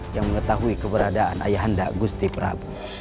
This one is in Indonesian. yang mengetahui keberadaan ayahanda gusti prabu